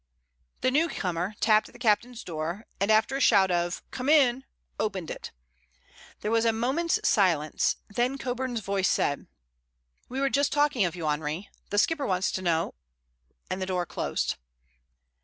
The newcomer tapped at the captain's door and, after a shout of "Come in," opened it. There was a moment's silence, then Coburn's voice said: "We were just talking of you, Henri. The skipper wants to know—" and the door closed.